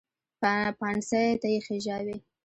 پانسۍ ته یې خېژاوې.